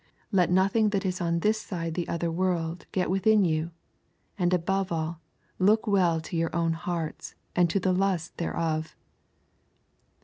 'Let nothing that is on this side the other world get within you; and above all, look well to your own hearts, and to the lusts thereof.'